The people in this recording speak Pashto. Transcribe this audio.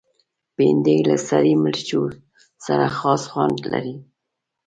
بېنډۍ له سرې مرچو سره خاص خوند لري